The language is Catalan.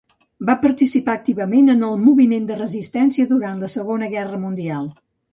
Va participar activament en el moviment de resistència durant la Segona Guerra Mundial.